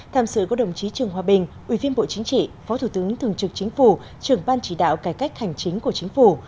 tham sự của đồng chí trường hòa bình ủy viên bộ chính trị phó thủ tướng thường trực chính phủ trưởng ban chỉ đạo cải cách hành chính của chính phủ